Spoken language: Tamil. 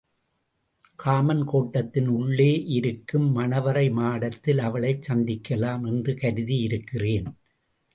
காமன் கோட்டத்தின் உள்ளே இருக்கும் மணவறை மாடத்தில் அவளைச் சந்திக்கலாம் என்று கருதியிருக்கிறேன்.